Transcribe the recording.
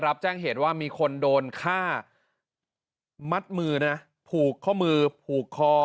รับแจ้งเหตุว่ามีคนโดนฆ่ามัดมือนะผูกข้อมือผูกคอ